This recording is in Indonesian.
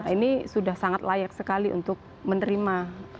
ini sudah sangat layak sekali untuk menerima